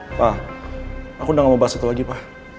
papa aku udah nggak mau bahas itu lagi pa